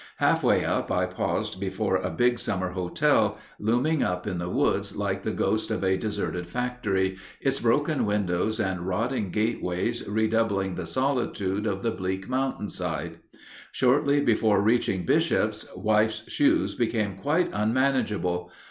Half way up I paused before a big summer hotel, looming up in the woods like the ghost of a deserted factory, its broken windows and rotting gateways redoubling the solitude of the bleak mountain side. Shortly before reaching Bishop's, "wife's shoes" became quite unmanageable.